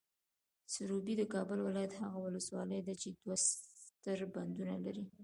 سروبي، د کابل ولایت هغه ولسوالۍ ده چې دوه ستر بندونه لري.